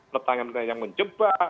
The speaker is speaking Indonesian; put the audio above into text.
pertanyaan pertanyaan yang menjebak